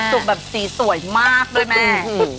แบบสีสวยมากด้วยแม่